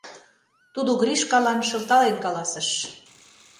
— тудо Гришкалан шылтален каласыш.